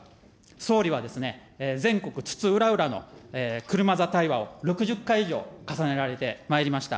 総理はですね、全国津々浦々の車座対話を６０回以上、重ねられてまいりました。